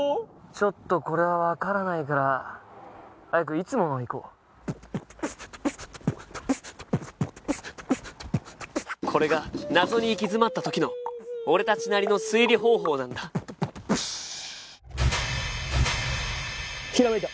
ちょっとこれは分からないからアイクいつものいこうこれが謎に行き詰まった時の俺達なりの推理方法なんだプシューッひらめいた！